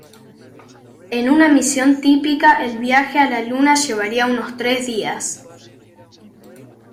En una misión típica el viaje a la Luna llevaría unos tres días.